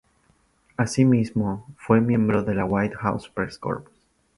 Así mismo, fue miembro de la "White House Press Corps".